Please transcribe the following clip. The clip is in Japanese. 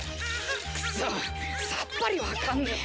クソッさっぱりわかんねぇ。